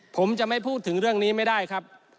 ผมจะไม่พูดถึงเรื่องนี้ไม่ได้ครับ